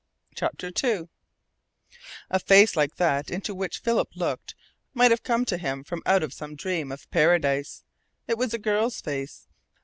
CHAPTER TWO A face like that into which Philip looked might have come to him from out of some dream of paradise. It was a girl's face.